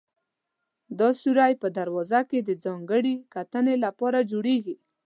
دا سورى په دروازه کې د ځانګړې کتنې لپاره جوړېږي.